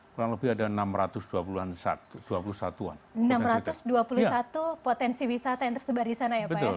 kurang lebih ada enam ratus enam ratus dua puluh satu potensi wisata yang tersebar di sana ya pak ya